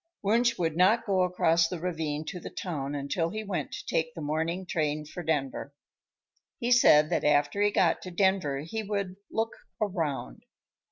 Wunsch would not go across the ravine to the town until he went to take the morning train for Denver. He said that after he got to Denver he would "look around."